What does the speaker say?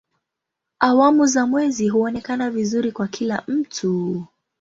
Awamu za mwezi huonekana vizuri kwa kila mtu.